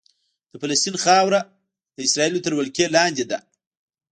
د فلسطین خاوره د اسرائیلو تر ولکې لاندې ده.